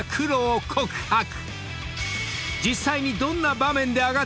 ［実際に］